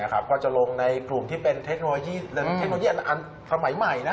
ก็จะลงในกลุ่มที่เป็นเทคโนโลยีเทคโนโลยีอันสมัยใหม่